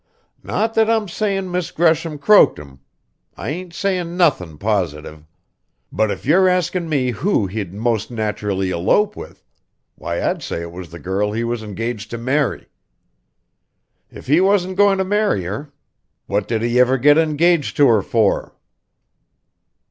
Not that I'm sayin' Miss Gresham croaked him. I ain't sayin' nothin' positive; but if you're askin' me who he'd most naturally elope with, why I'd say it was the girl he was engaged to marry. If he wasn't going to marry her, what did he ever get engaged to her for?"